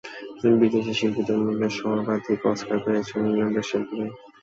বিদেশী শিল্পীদের মধ্যে সর্বাধিক অস্কার পেয়েছেন ইংল্যান্ডের শিল্পীরা।